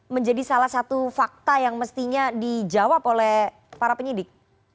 menjadi salah satu fakta yang mestinya dijawab oleh para penyidik